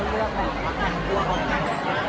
การรับความรักมันเป็นอย่างไร